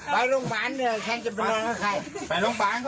มาที่กู้ภัยต้องไปเย็นน่ะ